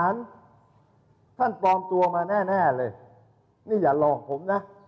ร่วมปภ